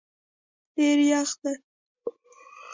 ډېر یخ دی